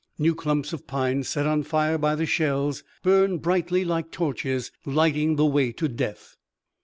New clumps of pines, set on fire by the shells, burned brightly like torches, lighting the way to death.